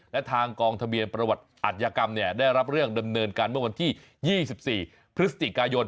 และทางกองทะเบียนประวัติอัธยกรรมได้รับเรื่องดำเนินการเมื่อวันที่๒๔พฤศจิกายน